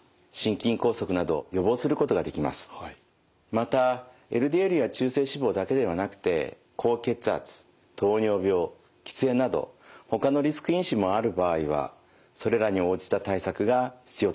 またＬＤＬや中性脂肪だけではなくて高血圧糖尿病喫煙などほかのリスク因子もある場合はそれらに応じた対策が必要となります。